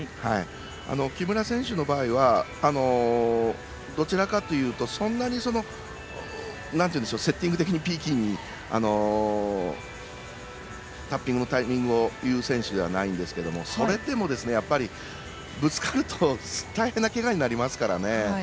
木村選手の場合はどちらかというとそんなにセッティング的にピーキーにタッピングのタイミングを言う選手じゃないんですけどそれでもやっぱり、ぶつかると大変なけがになりますからね。